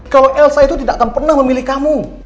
kalau elsa itu tidak akan pernah memilih kamu